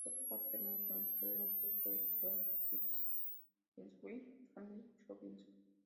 Otro papel muy conocido del actor fue de Johann Robinson en "Swiss Family Robinson".